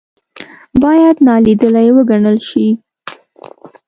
باید نا لیدلې وګڼل شي.